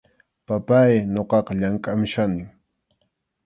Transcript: Papáy, ñuqaqa llamkʼamuchkanim.